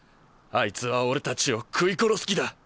あいつは俺たちを食い殺す気だ！